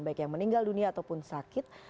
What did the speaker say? baik yang meninggal dunia ataupun sakit